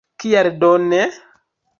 Kial do ne?